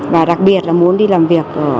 và đặc biệt là muốn đi làm việc